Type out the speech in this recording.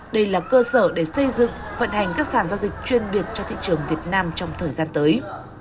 đây là cơ sở để xây dựng vận hành các sản giao dịch chuyên biệt cho thị trường việt nam trong thời gian tới